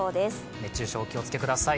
熱中症お気をつけください。